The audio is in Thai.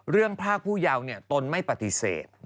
เรื่องภาคผู้ยาวตนไม่ปฏิเสธ